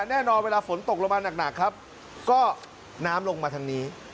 แน่นอนเวลาฝนตกลงมาหนักครับก็น้ำลงมาทางนี้